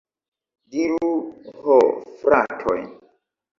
Diru, ho fratoj!